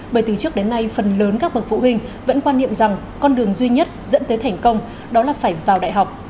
bởi từ trước đến nay phần lớn các bậc phụ huynh vẫn quan niệm rằng con đường duy nhất dẫn tới thành công đó là phải vào đại học